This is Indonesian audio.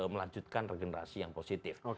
melanjutkan regenerasi yang positif